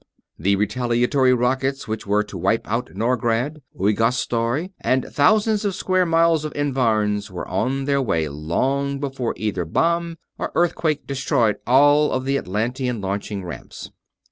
The retaliatory rockets which were to wipe out Norgrad, Uigharstoy, and thousands of square miles of environs were on their way long before either bomb or earthquake destroyed all of the Atlantean launching ramps.